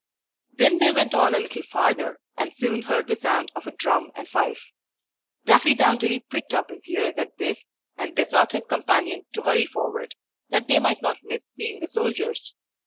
Then they went on a little farther, and soon heard the sound of a drum and fife. Daffydowndilly pricked up his ears at this, and besought his companion to hurry forward, that they might not miss seeing the soldiers.